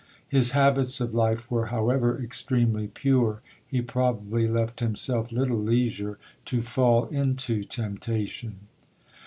His habits of life were, however, extremely pure; he probably left himself little leisure "to fall into temptation."